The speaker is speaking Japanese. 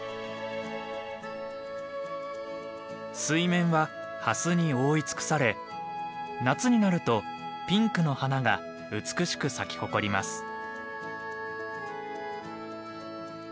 水面はハスに覆い尽くされ夏になるとピンクの花が美しく咲き誇ります。